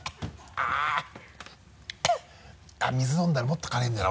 水飲んだらもっと辛いんだろ？